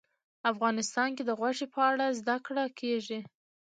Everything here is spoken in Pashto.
افغانستان کې د غوښې په اړه زده کړه کېږي.